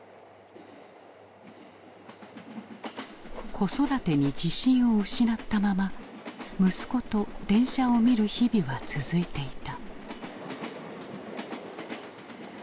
子育てに自信を失ったまま息子と電車を見る日々は続いていた。